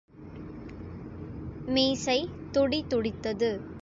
மீசை துடி துடித்தது.